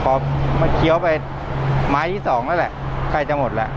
พอมาเคี้ยวไปไม้ที่สองแล้วแหละใกล้จะหมดแล้ว